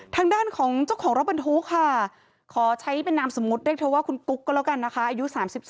ทางด้านของเจ้าของรถบรรทุกค่ะขอใช้เป็นนามสมมุติเรียกเธอว่าคุณกุ๊กก็แล้วกันนะคะอายุ๓๒